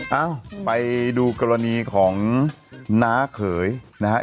เอ้าไปดูกรณีของน้าเขยนะฮะ